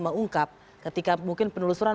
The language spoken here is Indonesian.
mengungkap ketika mungkin penelusuran